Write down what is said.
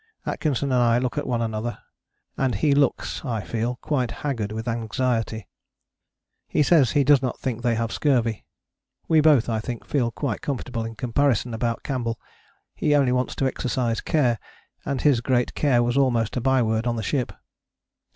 Atkinson and I look at one another, and he looks, and I feel, quite haggard with anxiety. He says he does not think they have scurvy. We both, I think, feel quite comfortable, in comparison, about Campbell: he only wants to exercise care, and his great care was almost a byword on the ship.